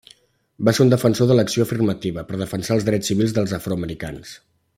Va ser un defensor de l'acció afirmativa per defensar els drets civils dels afroamericans.